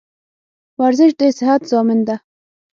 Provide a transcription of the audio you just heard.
ورزش دصیحت زامین ده